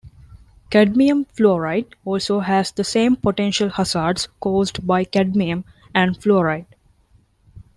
Cadmium fluoride also has the same potential hazards caused by cadmium and fluoride.